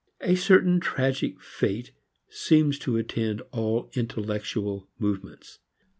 A certain tragic fate seems to attend all intellectual movements.